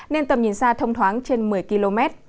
nên tầm nhìn xa thông thoáng trên một mươi km